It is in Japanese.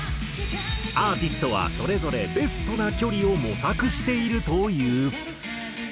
アーティストはそれぞれベストな距離を模索しているという。